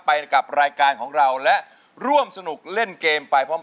ไปกับรายการของเราและร่วมสนุกเล่นเกมไปพร้อม